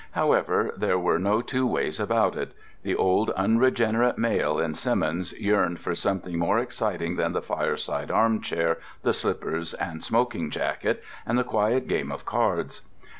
However, there were no two ways about it: the old unregenerate male in Simmons yearned for something more exciting than the fireside armchair, the slippers and smoking jacket, and the quiet game of cards.